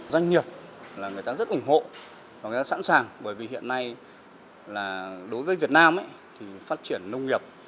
doanh nghiệp là người ta rất ủng hộ và người ta sẵn sàng bởi vì hiện nay là đối với việt nam thì phát triển nông nghiệp